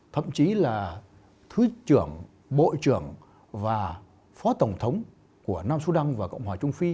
thậm chí là thứ trưởng bộ trưởng và phó tổng thống của nam sudan và cộng hòa trung phi